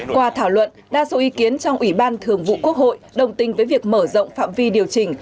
qua thảo luận đa số ý kiến trong ủy ban thường vụ quốc hội đồng tình với việc mở rộng phạm vi điều chỉnh